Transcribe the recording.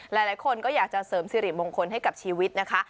หลายคนก็อยากจะเสริมสิริมงคลให้กับชีวิตนะคะ